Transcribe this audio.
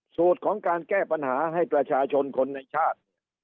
สูตรของการแก้ปัญหาให้ประชาชนคนในชาติ